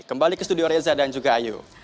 kembali ke studio reza dan juga ayu